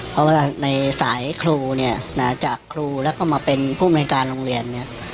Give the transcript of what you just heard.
เพราะว่าในสายครูจากครูแล้วก็มาเป็นผู้บริการโรงเรียน